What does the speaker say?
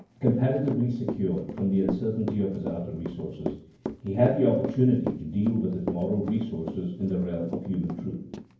Comparatively secured from the uncertainty of his outer resources, he had the opportunity to deal with his moral resources in the realm of human truth.